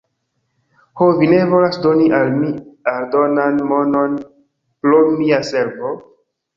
"Ho, vi ne volas doni al mi aldonan monon pro mia servo?"